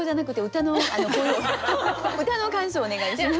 歌の感想をお願いします。